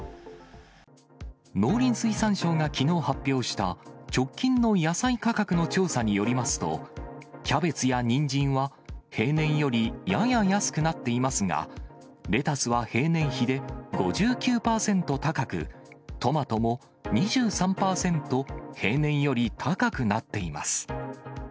農林水産省がきのう発表した、直近の野菜価格の調査によりますと、キャベツやニンジンは平年よりやや安くなっていますが、レタスは平年比で５９％高く、トマトも２３％、平年より高くなっています。